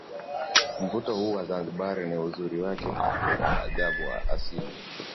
Mvuto huu wa Zanzibar ni uzuri wake wa ajabu wa asili